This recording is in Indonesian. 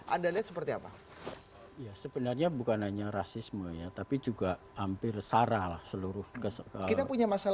anda lihat seperti apa sebenarnya bukan hanya rasisme ya tapi juga hampir sarah seluruh kita